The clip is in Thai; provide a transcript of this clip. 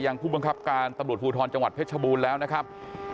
ยังผู้บังคับการตำรวจภูทรจังหวัดเพชรบูรณ์แล้วนะครับ